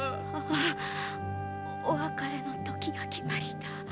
あお別れの時が来ました。